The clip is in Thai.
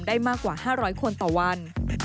ได้มากกว่า๕๐๐คนต่อวัน